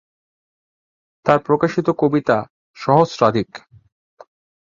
তার প্রকাশিত কবিতা সহস্রাধিক।